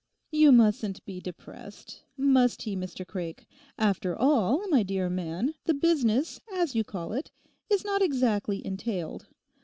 'You mustn't be depressed—must he, Mr Craik? After all, my dear man, the business, as you call it, is not exactly entailed.